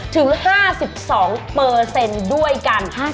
ถึงห้าสิบสองเปอร์เซ็นต์ด้วยกัน